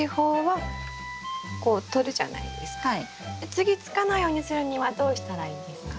次つかないようにするにはどうしたらいいんですか？